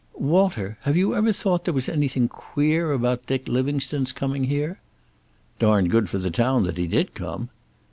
"Walter, have you ever thought there was anything queer about Dick Livingstone's coming here?" "Darned good for the town that he did come."